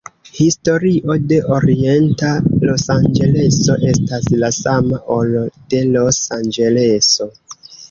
Historio de Orienta Losanĝeleso estas la sama, ol de Los Anĝeleso.